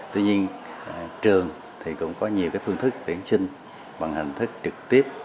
tuy nhiên trường thì cũng có nhiều phương thức tuyển sinh bằng hình thức trực tiếp